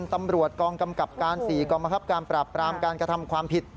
ตำรวจกองกำกับการ๔กองบังคับการปราบปรามการกระทำความผิด